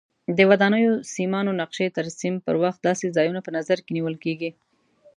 د ودانیو سیمانو نقشې ترسیم پر وخت داسې ځایونه په نظر کې نیول کېږي.